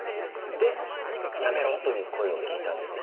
・で「やめろ」という声を聞いたんですね